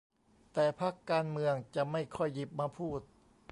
แต่พรรคการเมืองจะไม่ค่อยหยิบมาพูด